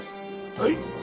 はい。